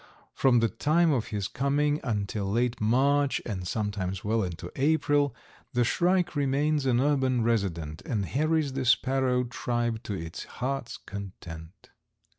From the time of his coming until late March and sometimes well into April, the shrike remains an urban resident and harries the sparrow tribe to its heart's content.